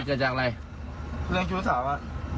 เรียกคิวสาวอะ